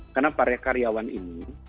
karena para karyawan ini